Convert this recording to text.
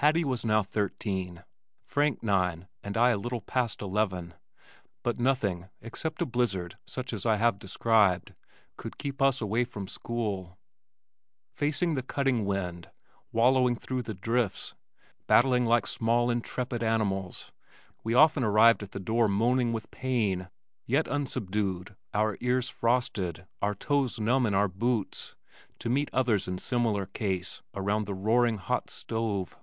Hattie was now thirteen, Frank nine and I a little past eleven but nothing, except a blizzard such as I have described, could keep us away from school. Facing the cutting wind, wallowing through the drifts, battling like small intrepid animals, we often arrived at the door moaning with pain yet unsubdued, our ears frosted, our toes numb in our boots, to meet others in similar case around the roaring hot stove.